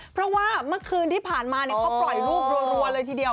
เพราะว่าเมื่อคืนที่ผ่านมาเขาปล่อยรูปรัวเลยทีเดียว